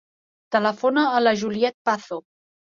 Telefona a la Juliette Pazo.